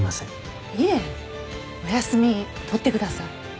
お休み取ってください。